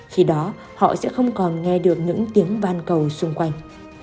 khi đó họ sẽ không còn nghe được những tiếng ban cầu xung quanh